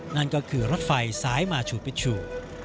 นั่นก็คือรถไฟสายท่องเที่ยว